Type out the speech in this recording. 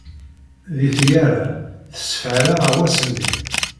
Deg tgara, tessefɛel aɣawas-nni.